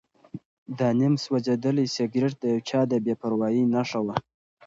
دا نیم سوځېدلی سګرټ د یو چا د بې پروایۍ نښه وه.